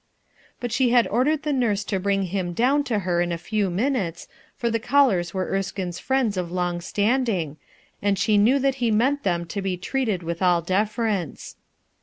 But she had ordered the nurse to bring him down to her in a few minutes, for the callers were Erskinc's friends of long standing, and she knew that he meant them to be treated with all deference.